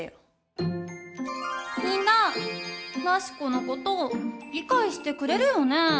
みんななしこのこと理解してくれるよね？